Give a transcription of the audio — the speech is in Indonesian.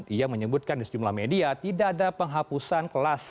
ia menyebutkan di sejumlah media tidak ada penghapusan kelas